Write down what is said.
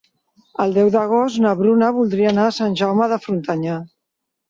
El deu d'agost na Bruna voldria anar a Sant Jaume de Frontanyà.